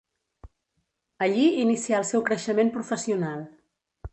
Allí inicià el seu creixement professional.